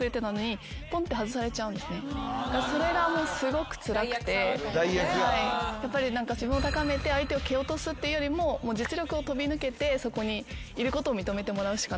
それがもうすごくつらくて自分を高めて相手を蹴落とすっていうよりも実力を飛び抜けてそこにいることを認めてもらうしかなかった。